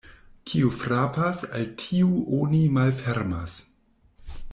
Kiu frapas, al tiu oni malfermas.